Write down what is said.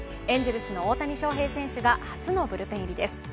エンゼルスの大谷翔平選手が初のブルペン入りです。